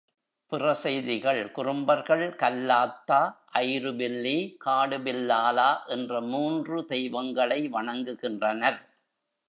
பிற செய்திகள் குறும்பர்கள் கல்லாத்தா, ஐரு பில்லி, காடுபில்லாலா என்ற மூன்று தெய்வங்களை வணங்குகின்றனர்.